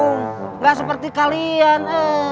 nggak seperti kalian